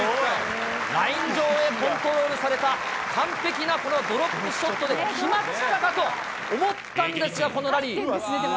ライン上へコントロールされた、完璧なこのドロップショットで、決まったかと思ったんですが、このラリー。